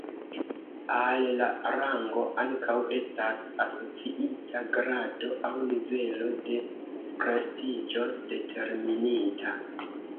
Al la rango ankaŭ estas asociita grado aŭ nivelo de prestiĝo determinita.